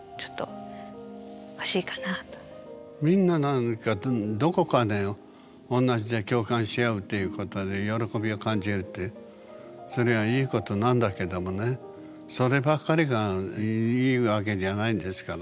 みんななんかどこかで同じで共感し合うっていうことに喜びを感じるってそれはいいことなんだけどもねそればっかりがいいわけじゃないんですからね。